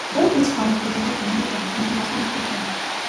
Both his parents were Jamaican immigrant and he was one of three children.